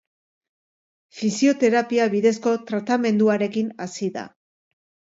Fisioterapia bidezko tratamenduarekin hasi da.